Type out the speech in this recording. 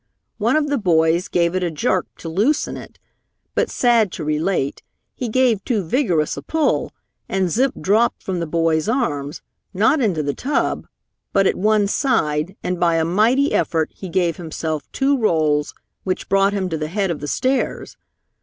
One of the boys gave it a jerk to loosen it, but sad to relate, he gave too vigorous a pull and Zip dropped from the boy's arms, not into the tub, but at one side and by a mighty effort he gave himself two rolls which brought him to the head of the stairs.